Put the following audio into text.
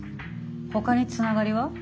ほかにつながりは？